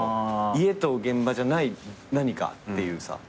家と現場じゃない何かっていうさ。